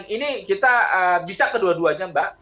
ini kita bisa kedua duanya mbak